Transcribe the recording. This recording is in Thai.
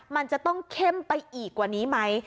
มันจะต้องเข้มไปอีกกว่านี้ไหม